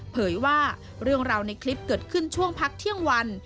เผยว่าเรื่องราวในคลิปเกิดขึ้นช่วงพักเที่ยงวัน